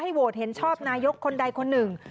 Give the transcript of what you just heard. โหวตเห็นชอบนายกคนใดคนหนึ่ง